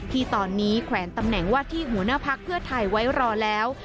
ที่ตอนนี้แขวนตำแหน่งว่าที่หัวหน้าพักเพื่อไทยไว้รอแล้ว